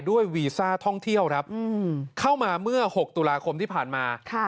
วีซ่าท่องเที่ยวครับเข้ามาเมื่อ๖ตุลาคมที่ผ่านมา